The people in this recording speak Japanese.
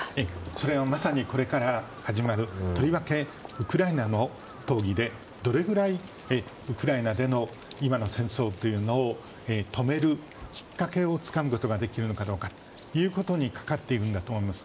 それは、まさにこれから始まるとりわけウクライナの討議でどれくらい、ウクライナでの今の戦争というのを止めるきっかけをつかむことができるのかどうかということにかかっているんだと思います。